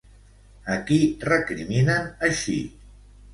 A qui recriminen, així?